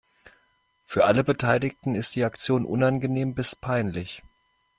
Für alle Beteiligten ist die Aktion unangenehm bis peinlich.